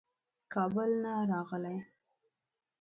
کابل نه راغلی.